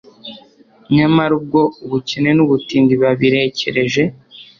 nyamara ubwo ubukene n’ubutindi biba birekereje